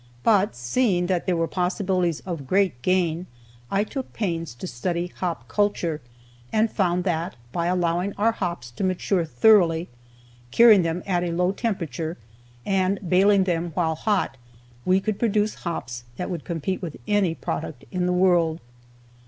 But seeing that there were possibilities of great gain, I took pains to study hop culture, and found that by allowing our hops to mature thoroughly, curing them at a low temperature, and baling them while hot, we could produce hops that would compete with any product in the world.